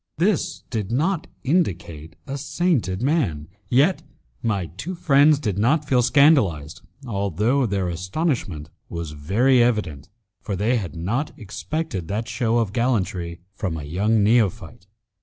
This did not indicate a sainted man; yet my two friends did not feel scandalized, although their astonishment was very evident, for they had not expected that show of gallantry from a young neophyte.